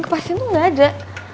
kepastian tuh nggak ada